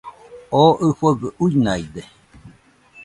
Oo ɨfogɨ uinaide